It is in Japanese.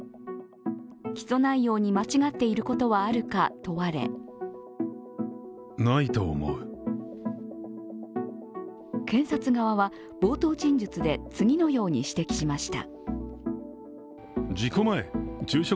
起訴内容に間違っていることはあるか問われ検察側は冒頭陳述で次のように指摘しました。